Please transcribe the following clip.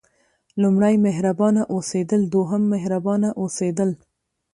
لومړی مهربانه اوسېدل دوهم مهربانه اوسېدل.